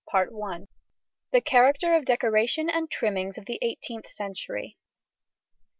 CHAPTER VII THE CHARACTER OF DECORATION AND TRIMMINGS OF THE EIGHTEENTH CENTURY.